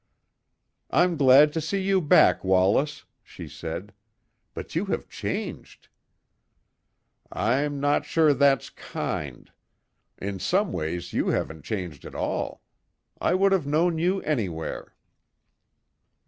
"I'm glad to see you back, Wallace," she said. "But you have changed." "I'm not sure that's kind. In some ways you haven't changed at all; I would have known you anywhere."